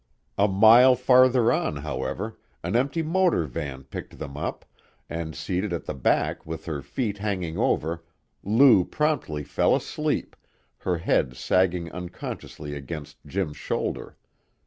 A mile farther on, however, an empty motor van picked them up, and seated at the back with her feet hanging over, Lou promptly fell asleep, her head sagging unconsciously against Jim's shoulder.